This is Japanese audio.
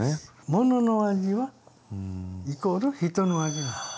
ものの味はイコール人の味なの。